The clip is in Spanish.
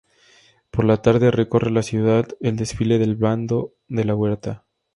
Por la tarde, recorre la ciudad el Desfile del Bando de la Huerta.